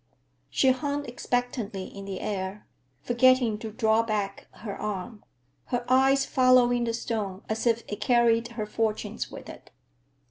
She hung expectantly in the air, forgetting to draw back her arm, her eyes following the stone as if it carried her fortunes with it.